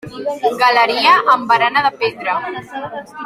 Galeria amb barana de pedra.